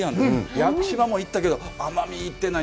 屋久島も行ったけど奄美行ってない。